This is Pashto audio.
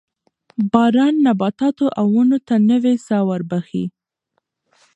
باران نباتاتو او ونو ته نوې ساه وربخښي